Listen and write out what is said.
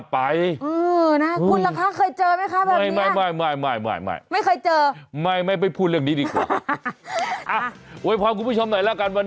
อ๋อเพื่อนชื่อกิ๊ก